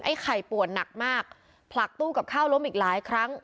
ไข่ป่วนหนักมากผลักตู้กับข้าวล้มอีกหลายครั้ง